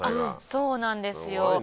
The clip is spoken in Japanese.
そうなんですよ